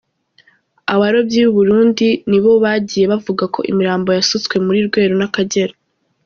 Abarobyi b’i Burundi nibo bagiye bavuga ko imirambo yasutswe muri Rweru n’Akagera.